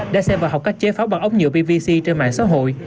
đã xem vào học cách chế pháo bằng ống nhựa pvc trên mạng xã hội